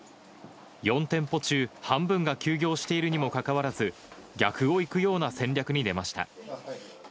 ４店舗中、半分が休業しているにもかかわらず、逆をいくような戦略に出ました。